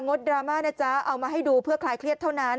ดดราม่านะจ๊ะเอามาให้ดูเพื่อคลายเครียดเท่านั้น